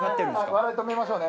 笑い止めましょうね